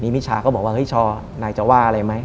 มิชาก็บอกว่าเฮ้ยชอนายจะว่าอะไรไหม